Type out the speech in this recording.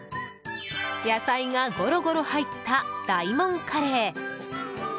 野菜がゴロゴロ入った大門カレー。